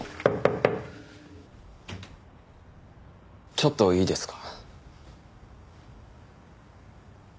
ちょっといいですか？